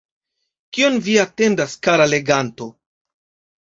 Kion Vi atendas, kara leganto?